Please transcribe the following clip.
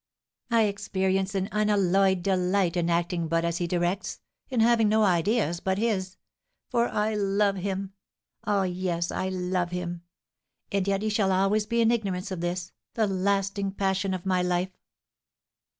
I experience an unalloyed delight in acting but as he directs, in having no ideas but his; for I love him, ah, yes, I love him! And yet he shall always be in ignorance of this, the lasting passion of my life."